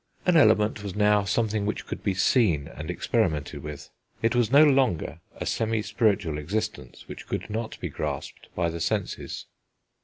An element was now something which could he seen and experimented with; it was no longer a semi spiritual existence which could not be grasped by the senses.